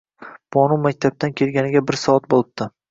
Bonu maktabdan kelganiga bir soat bo`libdi